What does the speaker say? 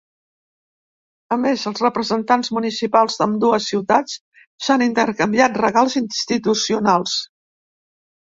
A més, els representants municipals d’ambdues ciutats s’han intercanviat regals institucionals.